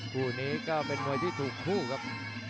คู่นี้ก็เป็นมวยที่ถูกคู่ครับ